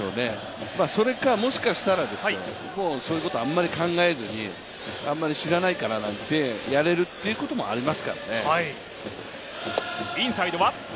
それかもしかしたらそういうことをあんまり考えずにあまり知らないからやれるということもありますからね。